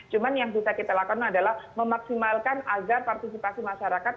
cuma yang bisa kita lakukan adalah memaksimalkan agar partisipasi masyarakat